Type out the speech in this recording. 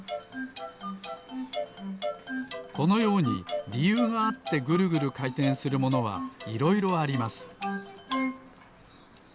このようにりゆうがあってぐるぐるかいてんするものはいろいろあります。